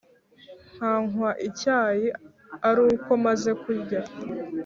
nkanywa icyayi aruko maze kurya,